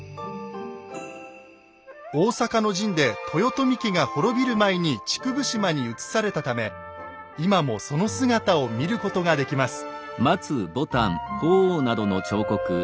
大坂の陣で豊臣家が滅びる前に竹生島に移されたため今もその姿を見ることができます。